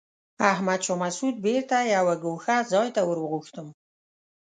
احمد شاه مسعود بېرته یوه ګوښه ځای ته ور وغوښتم.